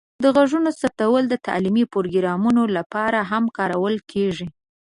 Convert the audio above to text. د غږونو ثبتول د تعلیمي پروګرامونو لپاره هم کارول کیږي.